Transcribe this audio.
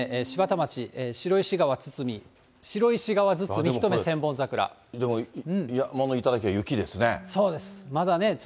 柴田町、白石川堤、でも山の頂は雪ですね。